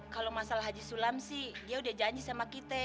kalau masalah haji sulam sih dia udah janji sama kita